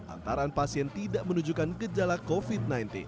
antara pasien tidak menunjukkan gejala covid sembilan belas